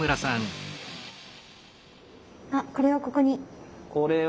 あっこれをここに。